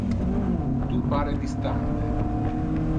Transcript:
Tu pare distante.